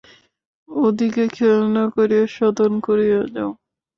ওদিকে খেয়াল না করিয়া সাধন করিয়া যাও।